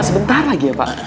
sebentar lagi ya pak